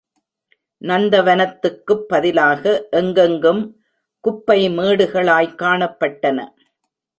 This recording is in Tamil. நந்தவனத்துக்குப் பதிலாக எங்கெங்கும் குப்பைமேடுகளாய் காணப்பட்டன.